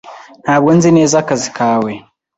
Ntabwo nzi neza akazi kawe.